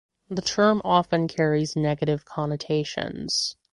The term often carries negative connotations.